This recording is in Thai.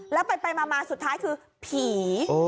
แล้วไปมาสุดท้ายคือผี